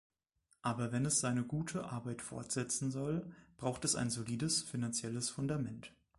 Aber wenn es seine gute Arbeit fortsetzen soll, braucht es ein solides finanzielles Fundament.